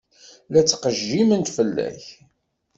La ttqejjiment fell-ak.